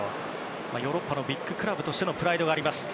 ヨーロッパのビッグクラブとしてのプライドがあります。